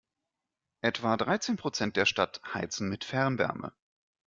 Etwa dreizehn Prozent der Stadt heizen mit Fernwärme.